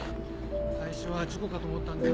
最初は事故かと思ったんですが。